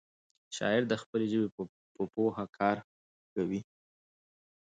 شاعر د خپلې ژبې په پوهه کار کوي.